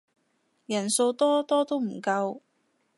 人數多多都唔夠